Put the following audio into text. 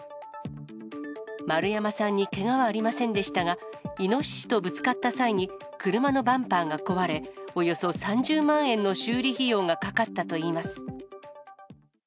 丸山さんにけがはありませんでしたが、イノシシとぶつかった際に車のバンパーが壊れ、およそ３０万円の修理費用がかかったといいます。